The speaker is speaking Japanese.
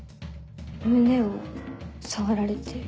胸を触られて。